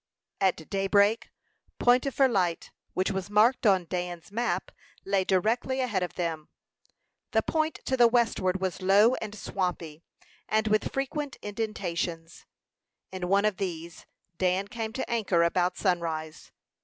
At daybreak, Point au Fer light, which was marked on Dan's map, lay directly ahead of them. The land to the westward was low and swampy, and with frequent indentations. In one of these Dan came to anchor about sunrise.